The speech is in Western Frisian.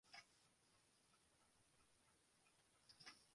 Ferline wike moandeitemoarn betiid stie de plysje foar de doar.